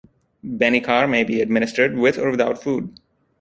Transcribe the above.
Benicar may be administered with or without food.